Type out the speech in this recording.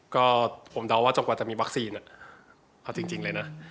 ก็ผมเดาว่าจนกว่าจะมีวัคซีนเอาจริงเลยนะ